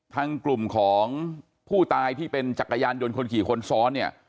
ทางกลุ่มของผู้ตายที่เป็นจักรยานยนต์คนขี่คนซ้อนเนี่ย